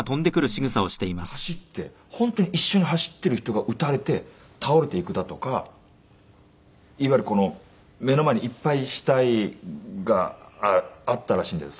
本当に一緒に走っている人が撃たれて倒れていくだとかいわゆる目の前にいっぱい死体があったらしいんで。